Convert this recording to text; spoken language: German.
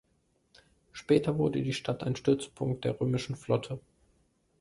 Später wurde die Stadt ein Stützpunkt der römischen Flotte.